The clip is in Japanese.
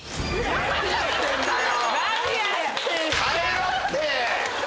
何やってんのよ！